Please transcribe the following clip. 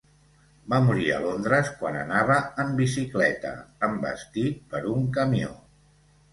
Va morir a Londres quan anava en bicicleta, envestit per un camió.